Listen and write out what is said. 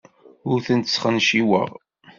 Ur tent-sxenciweɣ.